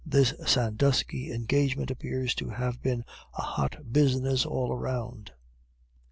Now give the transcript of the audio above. This Sandusky engagement appears to have been a hot business all around.